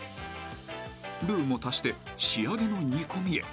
［ルウも足して仕上げの煮込みへ］